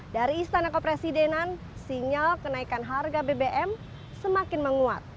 dari istana kepresidenan sinyal kenaikan harga bbm semakin menguat